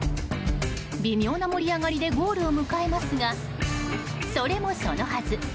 微妙な盛り上がりでゴールを迎えますがそれもそのはず